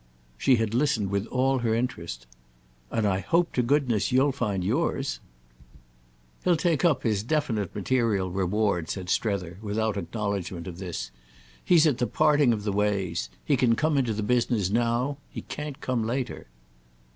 She had listened with all her interest. "And I hope to goodness you'll find yours!" "He'll take up his definite material reward," said Strether without acknowledgement of this. "He's at the parting of the ways. He can come into the business now—he can't come later."